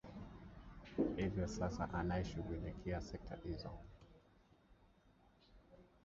hivyo sasa anayeshughulikia sekta hizo